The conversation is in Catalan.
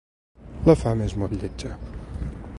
La fam és molt lletja.